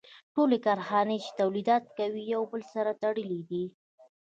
ټولې کارخانې چې تولیدات کوي یو له بل سره تړلي دي